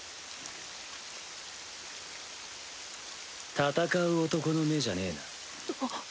戦う男の目じゃねな。